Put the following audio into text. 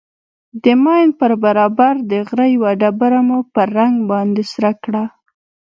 د ماين پر برابر د غره يوه ډبره مو په رنگ باندې سره کړه.